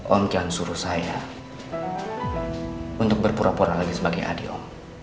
on jan suruh saya untuk berpura pura lagi sebagai adiom